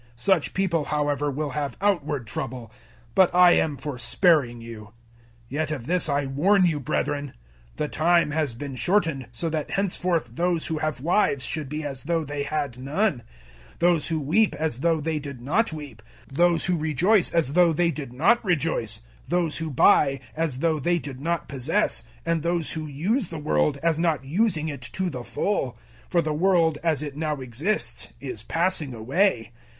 Such people, however, will have outward trouble. But I am for sparing you. 007:029 Yet of this I warn you, brethren: the time has been shortened so that henceforth those who have wives should be as though they had none, 007:030 those who weep as though they did not weep, those who rejoice as though they did not rejoice, those who buy as though they did not possess, 007:031 and those who use the world as not using it to the full. For the world as it now exists is passing away.